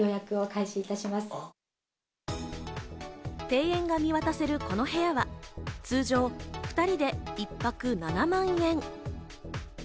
庭園が見渡せるこの部屋は通常２人で一泊７万円。